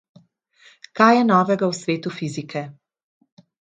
In kaj je novega v svetu fizike?